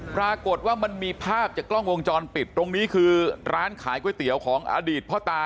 ปรากฏว่ามันมีภาพจากกล้องวงจรปิดตรงนี้คือร้านขายก๋วยเตี๋ยวของอดีตพ่อตา